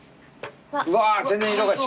うわ全然色が違う。